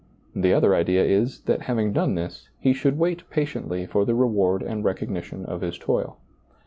The other idea is, that having done this, he should wait patiently for the reward and recogni tion of his toil.